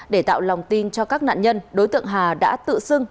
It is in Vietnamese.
để tạo lòng tin cho các nạn nhân đối tượng hà đã tự xưng